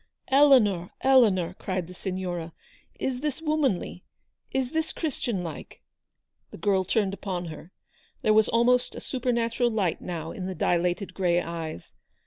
" Eleanor, Eleanor ! M cried the Signora :" is this womanly ? Is this Christian like ?" The girl turned upon her. There was almost a GOOD SAMARITANS. 173 supernatural light, now, in the dilated grey eves.